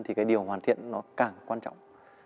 thì cái điều hoàn thiện nó càng quan trọng